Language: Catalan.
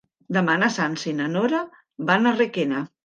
Demà na Sança i na Nora van a Requena.